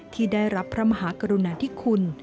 ที่ได้รับพระมหากรุณาธิคุณ